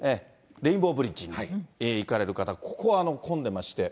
レインボーブリッジに行かれる方、ここは混んでまして。